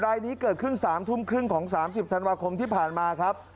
รายนี้เกิดขึ้น๓ทุ่มครึ่งของ๓๐ธันวาคมที่ผ่านมาครับ